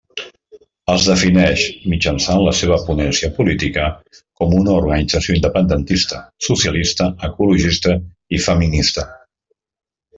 Es defineix, mitjançant la seva ponència política, com una organització independentista, socialista, ecologista i feminista.